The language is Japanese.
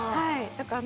だから。